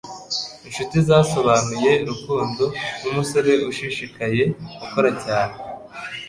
Inshuti zasobanuye Rukundo nkumusore ushishikaye, ukora cyane